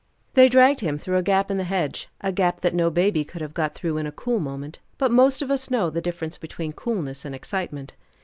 They dragged him through a gap in the hedge, a gap that no baby could have got through in a cool moment; but most of us know the difference between coolness and excitement.